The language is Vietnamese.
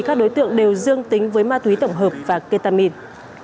các đối tượng đều dương tính với ma túy tổng hợp và ketamin